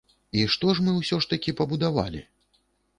І што ж мы ўсё ж такі пабудавалі?